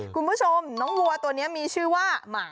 คุณผู้ชมน้องวัวตัวนี้มีชื่อว่าหมา